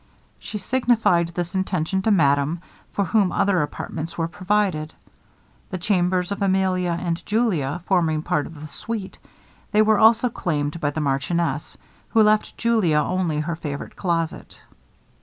She signified this intention to madame, for whom other apartments were provided. The chambers of Emilia and Julia forming part of the suite, they were also claimed by the marchioness, who left Julia only her favorite closet.